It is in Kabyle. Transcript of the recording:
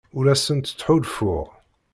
Ur asent-ttḥulfuɣ.